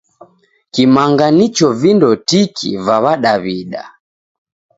Kimanga nicho vindo tiki va Widaw'ida.